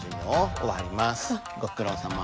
ご苦労さま。